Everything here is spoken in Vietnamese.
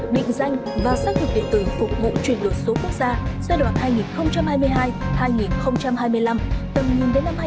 định danh và xác thực điện tử phục vụ chuyển đổi số quốc gia giai đoạn hai nghìn hai mươi hai hai nghìn hai mươi năm tầm nhìn đến năm hai nghìn ba mươi